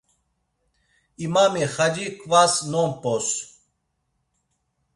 İmami xaci kvas nomp̌os.